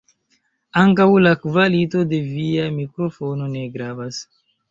Ankaŭ la kvalito de via mikrofono ne gravas.